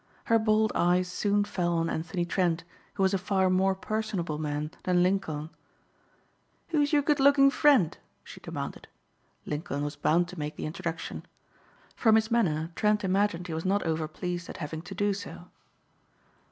Her bold eyes soon fell on Anthony Trent, who was a far more personable man than Lincoln. "Who is your good looking friend?" she demanded. Lincoln was bound to make the introduction. From his manner Trent imagined he was not overpleased at having to do so.